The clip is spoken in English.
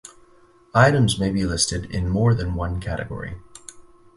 Items may be listed in more than one category.